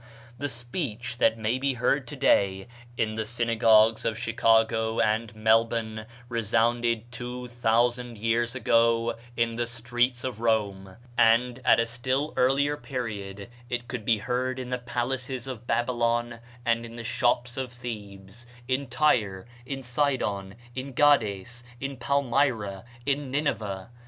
The speech that may be heard to day in the synagogues of Chicago and Melbourne resounded two thousand years ago in the streets of Rome; and, at a still earlier period, it could be heard in the palaces of Babylon and the shops of Thebes in Tyre, in Sidon, in Gades, in Palmyra, in Nineveh.